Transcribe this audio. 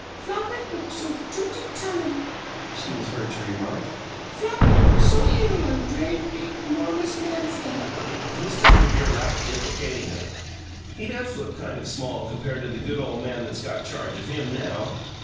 "Flopit look so toot an' tunnin'," she was heard to remark. "Flopit look so 'ittle on dray, big, 'normous man's lap." Mr. Crooper laughed deprecatingly. "He does look kind of small compared with the good ole man that's got charge of him, now!